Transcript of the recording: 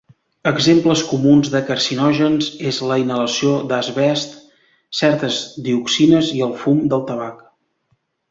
Exemples comuns de carcinògens és la inhalació d'asbest, certes dioxines i el fum del tabac.